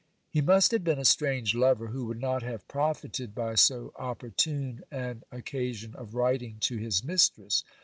He must have been a strange lover who would not have profited by so op pc rtune an occasion of writing to his mistress.